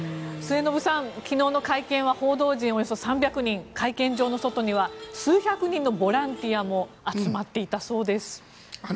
末延さん、昨日の会見は報道陣およそ３００人会見場の外には数百人のボランティアも集まっていたそうです。